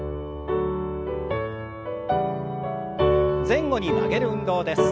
前後に曲げる運動です。